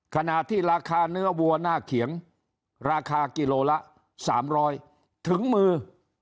ขณะที่ราคาเนื้อวัวหน้าเขียงราคากิโลละ๓๐๐ถึงมือ